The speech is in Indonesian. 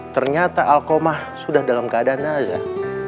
ternyata alkomah sudah dalam keadaan nazah